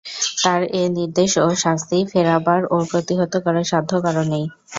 তাঁর এ নির্দেশ ও শাস্তি ফেরাবার ও প্রতিহত করার সাধ্য কারও নেই।